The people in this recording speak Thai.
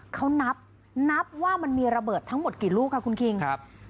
เขานับว่ามันมีระเบิดทั้งหมดกี่ลูกครับคุณคิง